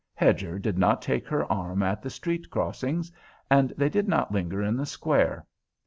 Hedger did not take her arm at the street crossings, and they did not linger in the Square.